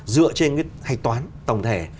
dựa trên cái hành toán tổng thể